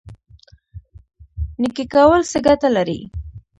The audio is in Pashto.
نیکي کول څه ګټه لري؟